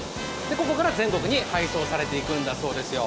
ここから全国に配送されていくんだそうですよ。